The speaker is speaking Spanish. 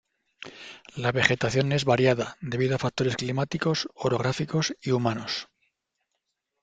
La vegetación es variada, debido a factores climáticos, orográficos y humanos.